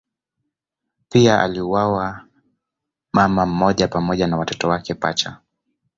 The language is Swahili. Pia aliuawa mama mmoja pamoja na watoto wake pacha.